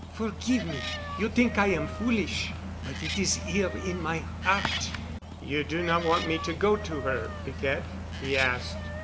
Forgive me. You t'ink I am foolish. But it is 'ere in my 'eart——" "You do not want me to go to her, Piquette?" he asked.